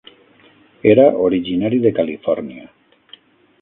Era originari de Califòrnia.